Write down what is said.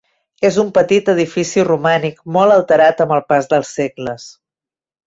És un petit edifici romànic molt alterat amb el pas dels segles.